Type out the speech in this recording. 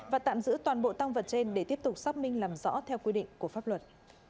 và tạm giữ toàn bộ tăng vật trên để tiếp tục xác minh làm rõ theo quy định của pháp luật